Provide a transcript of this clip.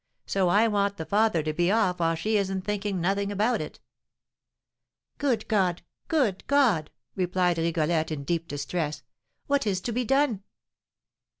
So I want the father to be off while she isn't thinking nothing about it!" "Good God! Good God!" replied Rigolette, in deep distress; "what is to be done?"